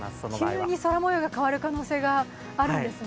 急に空もようが変わる可能性があるんですね